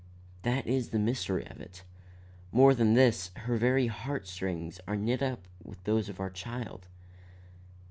That is the mystery of it. More than this, her very heart strings are knit up with those of our child."